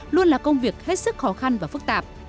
luôn là công việc hết sức khó khăn và phức tạp